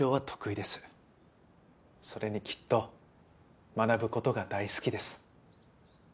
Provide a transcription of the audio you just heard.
それにきっと学ぶ事が大好きです。